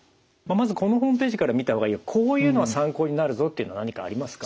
まずこのホームページから見た方がいいよこういうのは参考になるぞっていうのは何かありますか？